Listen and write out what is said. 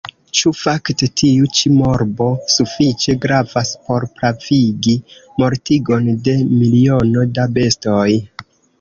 Ĉu fakte tiu ĉi morbo sufiĉe gravas por pravigi mortigon de miliono da bestoj?